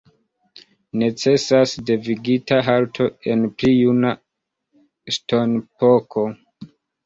Necesas devigita halto en pli juna ŝtonepoko.